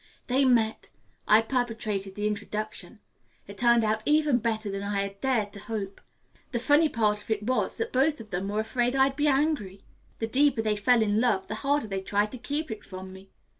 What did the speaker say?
They met. I perpetrated the introduction. It turned out even better than I had dared to hope. The funny part of it was that both of them were afraid I'd be angry. The deeper they fell in love, the harder they tried to keep it from me.